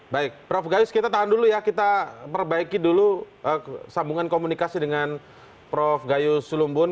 baik prof gayus kita tahan dulu ya kita perbaiki dulu sambungan komunikasi dengan prof gayus sulumbun